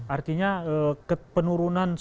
artinya kepenurunan sosial